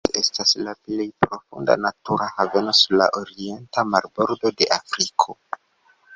Tie estas la plej profunda natura haveno sur la orienta marbordo de Afriko.